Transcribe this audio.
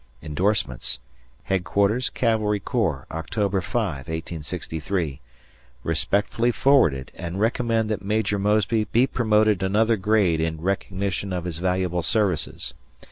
[Indorsements] Headquarters Cavalry Corps, October 5, 1863. Respectfully forwarded, and recommend that Major Mosby be promoted another grade in recognition of his valuable services.